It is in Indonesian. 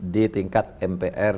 di tingkat mpr